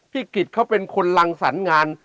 พี่กิจเขาเป็นคนลังสรรงาน